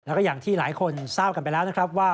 แล้วก็อย่างที่หลายคนทราบกันไปแล้วนะครับว่า